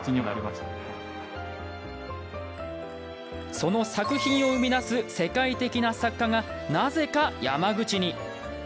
その作品を生み出す世界的な作家が、なぜか山口に。